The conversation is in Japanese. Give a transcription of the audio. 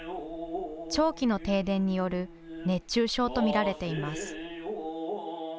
長期の停電による熱中症と見られています。